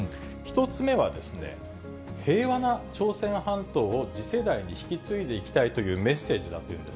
１つ目は、平和な朝鮮半島を次世代に引き継いでいきたいというメ平和？